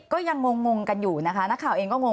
ก็ยังงงกันอยู่นะคะนักข่าวเองก็งง